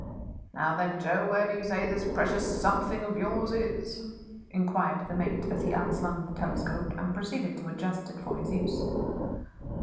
"Now then, Joe, where do you say this precious `something' of yours is?" inquired the mate as he unslung the telescope and proceeded to adjust it for use.